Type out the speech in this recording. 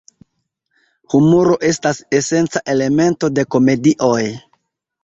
Humuro estas esenca elemento de komedioj.